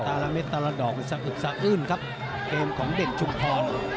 ละเม็ดแต่ละดอกสะอึกสะอื้นครับเกมของเด็กชุมพร